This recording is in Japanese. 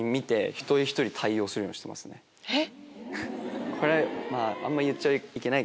えっ⁉